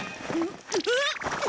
うわっ！